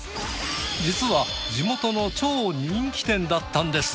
実は地元の超人気店だったんです。